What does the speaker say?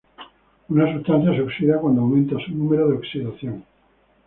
Una sustancia se oxida cuando aumenta su número de oxidación.